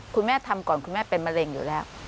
คุณแม่ทำก่อนคุณแม่เป็นมะเร็งอยู่แล้ว